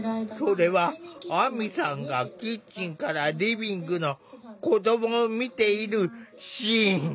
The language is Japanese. それは亜美さんがキッチンからリビングの子どもを見ているシーン。